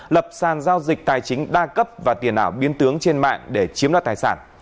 lập sàn giao dịch tài chính đa cấp và tiền ảo biến tướng trên mạng để chiếm đoạt tài sản